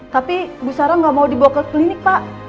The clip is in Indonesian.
tapi bu sarah nggak mau dibawa ke klinik pak